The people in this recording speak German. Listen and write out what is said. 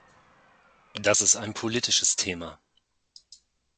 Das ist ein politisches Thema.